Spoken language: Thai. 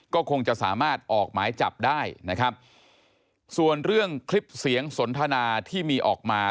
ก็คงจะสามารถออกหมายจับได้นะครับส่วนเรื่องคลิปเสียงสนทนาที่มีออกมา